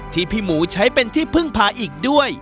ที่พี่หมูใช้เป็นที่พึ่งพาอีกด้วย